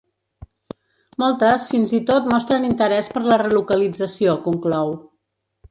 “Moltes, fins i tot, mostren interès per la relocalització”, conclou.